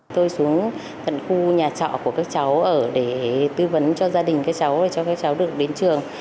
tôi xuống tận khu nhà trọ của các cháu ở để tư vấn cho gia đình các cháu và cho các cháu được đến trường